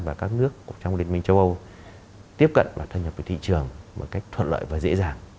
và các nước trong liên minh châu âu tiếp cận và thân nhập với thị trường một cách thuận lợi và dễ dàng